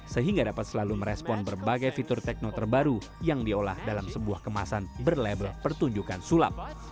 sehingga dapat selalu merespon berbagai fitur tekno terbaru yang diolah dalam sebuah kemasan berlabel pertunjukan sulap